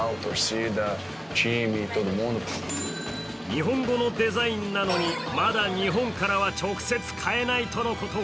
日本語のデザインなのに、まだ日本からは直接買えないとのこと。